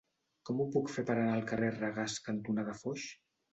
Com ho puc fer per anar al carrer Regàs cantonada Foix?